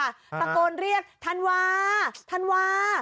ตะโกนเรียกธันวาธันวา